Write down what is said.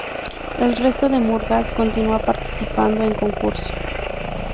El resto de murgas continúa participando en concurso.